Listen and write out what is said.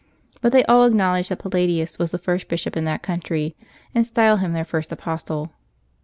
But they all acknowledge that Palladius was the first bishop in that country, and style him their first apostle.